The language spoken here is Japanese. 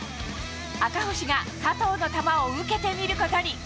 赤星が佐藤の球を受けてみることに。